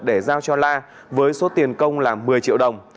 để giao cho la với số tiền công là một mươi triệu đồng